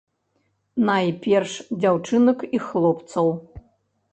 Найперш дзяўчынак і хлопцаў.